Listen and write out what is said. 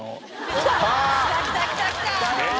来た来た来た来た！来たよ！